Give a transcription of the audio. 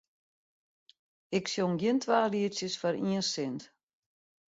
Ik sjong gjin twa lietsjes foar ien sint.